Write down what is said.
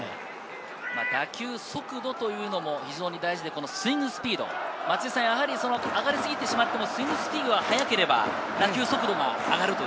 打球速度も非常に大事で、スイングスピード、やはり上がりすぎてしまっても、スイングスピードが速ければ打球速度が上がるという。